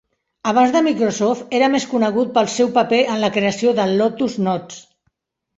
Abans de Microsoft, era més conegut pel seu paper en la creació del Lotus Notes.